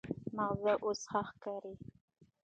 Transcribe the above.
مغز اوس ښه ښکاري.